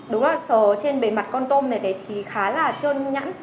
đúng rồi sờ trên bề mặt con tôm này thì khá là trơn nhẫn